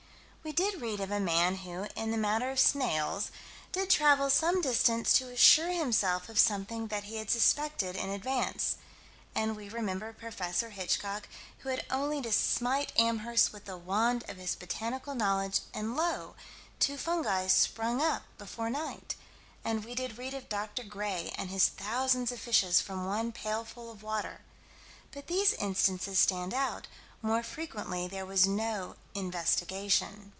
We did read of a man who, in the matter of snails, did travel some distance to assure himself of something that he had suspected in advance; and we remember Prof. Hitchcock, who had only to smite Amherst with the wand of his botanical knowledge, and lo! two fungi sprang up before night; and we did read of Dr. Gray and his thousands of fishes from one pailful of water but these instances stand out; more frequently there was no "investigation."